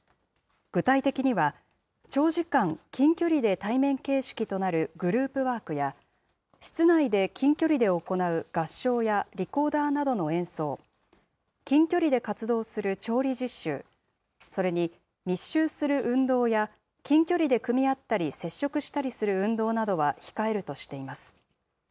具体的には、長時間、近距離で対面形式となるグループワークや、室内で近距離で行う合唱やリコーダーなどの演奏、近距離で活動する調理実習、それに密集する運動や、近距離で組み合ったり接触したりする運動などは控えるとしています。